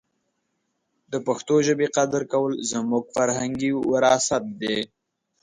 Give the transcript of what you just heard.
د پښتو ژبې قدر کول زموږ فرهنګي وراثت دی.